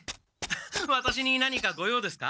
ワタシに何かご用ですか？